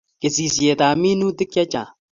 Kesishet ab minutik Che Chang